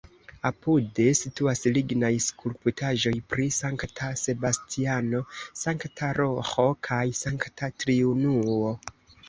Apude situas lignaj skulptaĵoj pri Sankta Sebastiano, Sankta Roĥo kaj Sankta Triunuo.